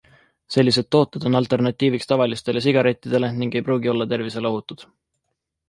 Sellised tooted on alternatiiviks tavalistele sigarettidele ning ei pruugi olla tervisele ohutud.